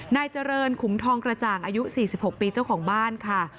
นายเจริญขุมทองกระจ่างอายุ๔๖ปีเจ้าของบ้านค่ะ